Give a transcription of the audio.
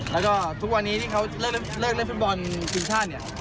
แล้วก็ทุกวันนี้ที่เขาเลิกเล่นฟุตบอลทีมชาติเนี่ย